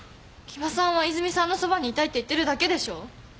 木場さんは泉さんのそばにいたいって言ってるだけでしょ。